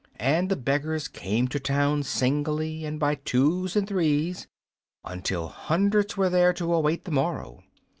And the beggars came to town singly and by twos and threes, until hundreds were there to await the morrow.